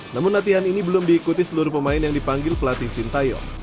namun latihan ini belum diikuti seluruh pemain yang dipanggil pelatih sintayong